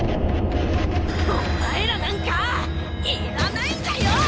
お前らなんかいらないんだよ！